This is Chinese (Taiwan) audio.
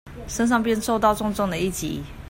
身上便受到重重一擊